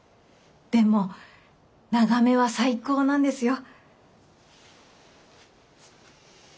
でも眺めは最高なんですよ。